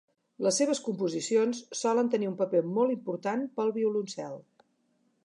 Les seves composicions solen tenir un paper molt important pel violoncel.